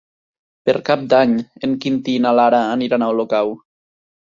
Per Cap d'Any en Quintí i na Lara aniran a Olocau.